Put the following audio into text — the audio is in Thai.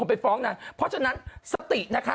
เพราะฉะนั้นสตินะคะ